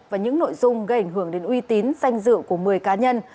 và những nội dung gây ảnh hưởng đến uy tín danh dự của một mươi cá nhân